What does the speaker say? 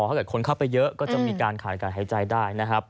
ถ้าเกิดคนเข้าไปเยอะก็จะมีการขาดการหายใจได้นะครับ